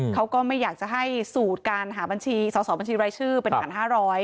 เขาก็ไม่อยากจะให้สูตรการหาบัญชีสอสอบัญชีรายชื่อเป็นฐาน๕๐๐